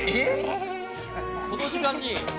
この時間に。